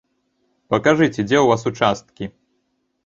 Пакажыце, дзе ў вас участкі.